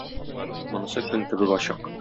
Монысы көн кебек ачык.